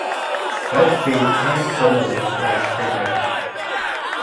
Both she and Wymberly were cremated.